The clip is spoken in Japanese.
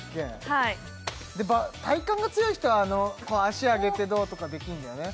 はい体幹が強い人は足上げてどうとかできるんだよね